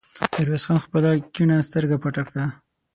ميرويس خان خپله کيڼه سترګه پټه کړه.